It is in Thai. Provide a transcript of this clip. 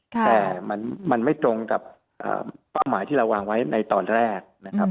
แต่มันไม่ตรงกับเป้าหมายที่เราวางไว้ในตอนแรกนะครับ